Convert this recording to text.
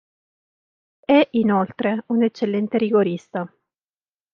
È inoltre un eccellente rigorista.